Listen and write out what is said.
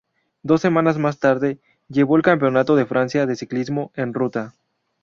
Dos semanas más tarde, llevó el Campeonato de Francia de Ciclismo en Ruta.